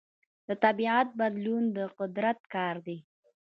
د طبیعت بدلون د قدرت کار دی.